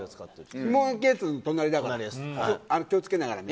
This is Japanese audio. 碑文谷警察の隣だから、気をつけながらね。